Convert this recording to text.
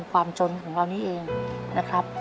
ความจนของเรานี่เองนะครับ